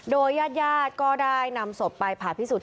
โดยญาติก็ได้นำศพไปผ่าพิสูจน